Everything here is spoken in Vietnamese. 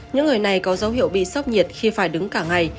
những người này có dấu hiệu bị sốc nhiệt khi phải đứng cả ngày